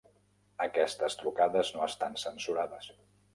Aquestes trucades no estan censurades.